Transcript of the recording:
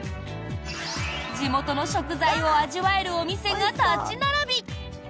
地元の食材を味わえるお店が立ち並び